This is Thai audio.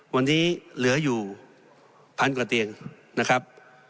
วันนี้เหลืออยู่พันกว่าเตียงนะครับ